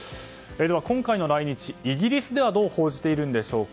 今回の来日、イギリスではどう報じているんでしょうか。